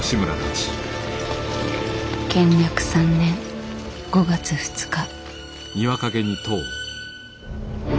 建暦３年５月２日。